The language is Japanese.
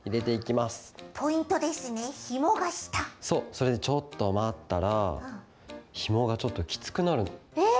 それでちょっとまったらひもがちょっときつくなるの。え！？